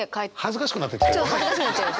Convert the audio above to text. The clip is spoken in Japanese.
恥ずかしくなってきたよね？